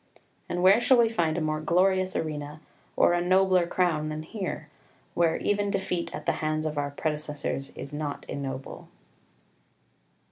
And where shall we find a more glorious arena or a nobler crown than here, where even defeat at the hands of our predecessors is not ignoble?